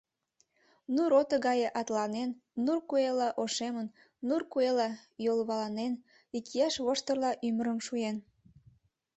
Нур ото гае атыланен, нур куэла ошемын, нур куэла йолваланен, икияш воштырла ӱмырым шуен...